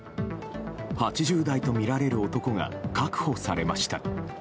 ８０代とみられる男が確保されました。